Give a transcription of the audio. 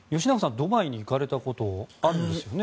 ドバイに行かれたことあるんですよね？